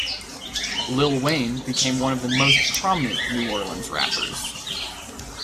Lil Wayne became one of the most prominent New Orleans rappers.